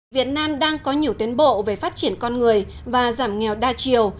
việt nam đang có nhiều tiến bộ về phát triển con người và giảm nghèo đa chiều